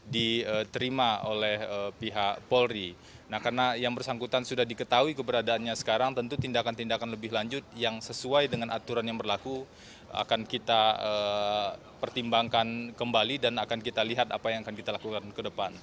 dan kita pertimbangkan kembali dan akan kita lihat apa yang akan kita lakukan ke depan